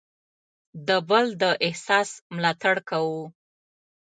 د بل د احساس ملاتړ کوو.